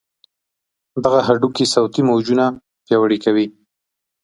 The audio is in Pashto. دغه هډوکي صوتي موجونه پیاوړي کوي.